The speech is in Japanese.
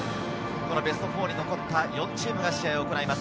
ベスト４に残った４チームが試合を行います。